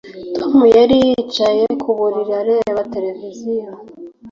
Tom yari yicaye ku buriri areba televiziyo